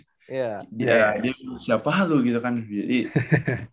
ya dia bilang siapa lu gitu kan